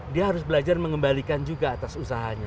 dia harus belajar mengembalikan juga atas usahanya